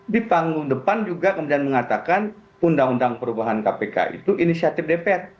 di panggung depan juga kemudian mengatakan undang undang perubahan kpk itu inisiatif dpr